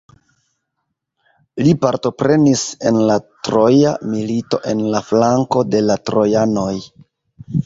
Li partoprenis en la Troja Milito en la flanko de la trojanoj.